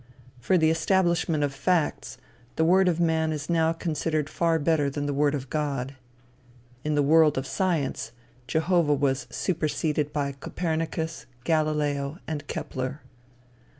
For the establishment of facts, the word of man is now considered far better than the word of God. In the world of science, Jehovah was superseded by Copernicus, Galileo, and Kepler.